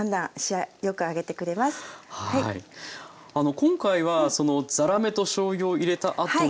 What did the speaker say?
今回はざらめとしょうゆを入れた後に。